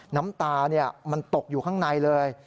น้ำตามันตกอยู่ข้างในเลย